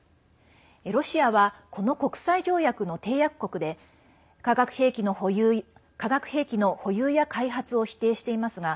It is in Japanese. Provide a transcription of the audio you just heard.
ロシアはこの国際条約の締約国で化学兵器の保有や開発を否定していますが